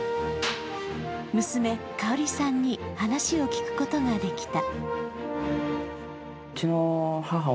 娘・かおりさんに話を聞くことができた。